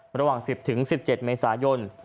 ระหว่าง๑๐๑๗เมษายน